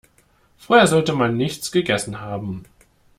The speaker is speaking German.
Vorher sollte man nichts gegessen haben.